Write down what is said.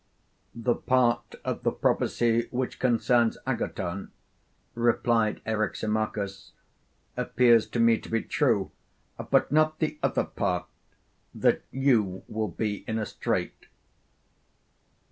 The part of the prophecy which concerns Agathon, replied Eryximachus, appears to me to be true; but not the other part that you will be in a strait.